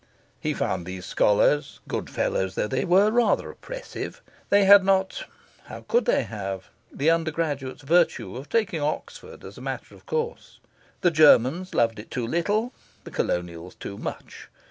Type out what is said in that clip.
He found these Scholars, good fellows though they were, rather oppressive. They had not how could they have? the undergraduate's virtue of taking Oxford as a matter of course. The Germans loved it too little, the Colonials too much.